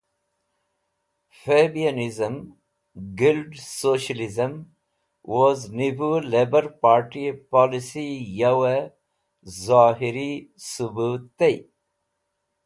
‘Fabianism’; ‘Guild Socialism’; woz Nivo Labour Partye Policyi yawe Zohiri Subut tey.